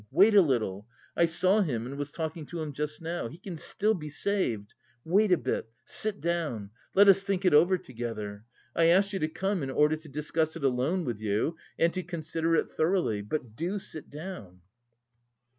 Wait a little: I saw him and was talking to him just now. He can still be saved. Wait a bit, sit down; let us think it over together. I asked you to come in order to discuss it alone with you and to consider it thoroughly. But do sit down!"